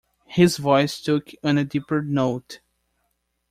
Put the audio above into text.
His voice took on a deeper note.